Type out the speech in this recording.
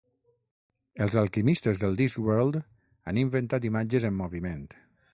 Els alquimistes del Discworld han inventat imatges en moviment.